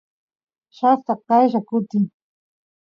llaqta qaylla kutin